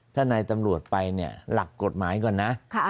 ถ้านายตำรวจไปเนี่ยหลักกฎหมายก่อนนะ